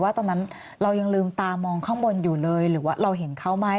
ตอนนั้นเรายังลืมตามองข้างบนอยู่เลยหรือว่าเราเห็นเขาไหม